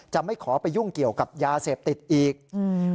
ไม่ขอไปยุ่งเกี่ยวกับยาเสพติดอีกอืม